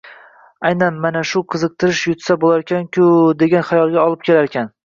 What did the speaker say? Aynan mana shu qiziqtirish yutsa boʻlarkan-ku degan xayolga olib kelarkan